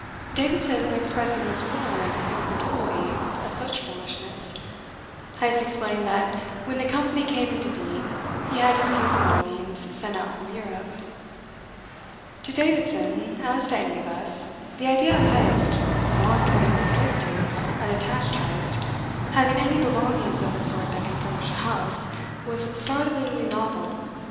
Davidson expressing his horror and incredulity of such foolishness, Heyst explained that when the company came into being he had his few belongings sent out from Europe. To Davidson, as to any of us, the idea of Heyst, the wandering drifting, unattached Heyst, having any belongings of the sort that can furnish a house was startlingly novel.